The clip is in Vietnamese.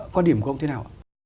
quan điểm của ông thế nào ạ